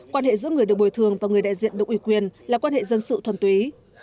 quan hệ giữa người được bồi thường và người đại diện được ủy quyền là quan hệ dân sự thuần túy